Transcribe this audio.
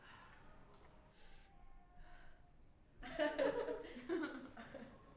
gak punya sebenar